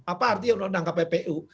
apa artinya undang undang kppu